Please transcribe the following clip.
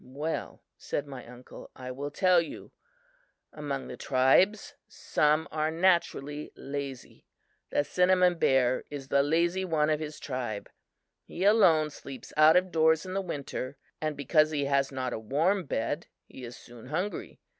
"Well," said my uncle, "I will tell you. Among the tribes, some are naturally lazy. The cinnamon bear is the lazy one of his tribe. He alone sleeps out of doors in the winter and because he has not a warm bed, he is soon hungry.